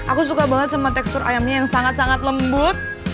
aku suka banget sama tekstur ayamnya yang sangat sangat lembut